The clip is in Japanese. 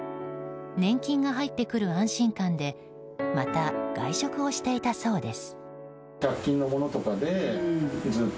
年金が入ってくる安心感でまた外食をしていたそうです。